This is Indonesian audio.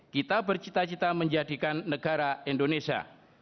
kita bercita cita menjadikan negara indonesia